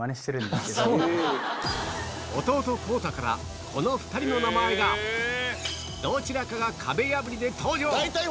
弟孝太からこの２人の名前がどちらかが壁破りで登場！